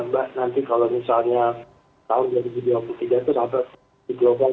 ya tentu kita tetap antisipasi ya mbak nanti kalau misalnya tahun dua ribu dua puluh tiga itu sampai global